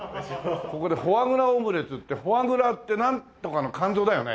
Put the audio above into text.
ここでフォアグラオムレツってフォアグラってなんとかの肝臓だよね？